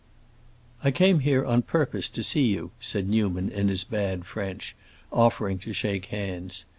"I came here on purpose to see you," said Newman in his bad French, offering to shake hands.